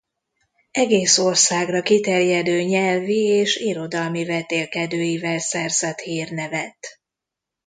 Egész országra kiterjedő nyelvi és irodalmi vetélkedőivel szerzett hírnevet.